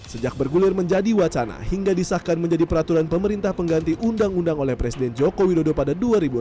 sejak bergulir menjadi wacana hingga disahkan menjadi peraturan pemerintah pengganti undang undang oleh presiden joko widodo pada dua ribu empat belas